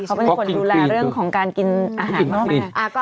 เขาเป็นคนดูแลเรื่องของการกินอาหารมาก